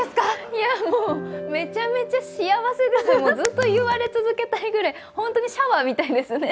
いや、めちゃめちゃ幸せですよ、ずっと言われ続けたいみたいな、本当にシャワーみたいですね。